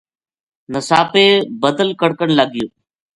نساپے ندل کڑکن لگ گیو